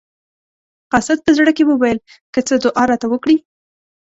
قاصد په زړه کې وویل که څه دعا راته وکړي.